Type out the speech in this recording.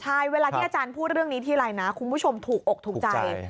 ใช่เวลาที่อาจารย์พูดเรื่องนี้ทีไรนะคุณผู้ชมถูกอกถูกใจ